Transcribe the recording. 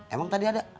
emang tadi ada